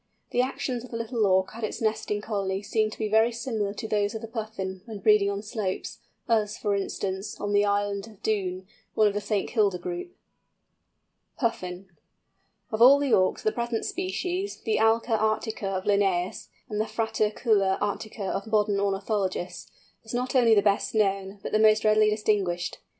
The actions of the Little Auk at its nesting colony, seem to be very similar to those of the Puffin when breeding on slopes, as, for instance, on the island of Doon, one of the St. Kilda group. PUFFIN. Of all the Auks the present species, the Alca arctica of Linnæus, and the Fratercula arctica of modern ornithologists, is not only the best known, but the most readily distinguished.